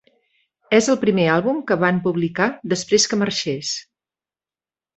És el primer àlbum que van publicar després que marxés.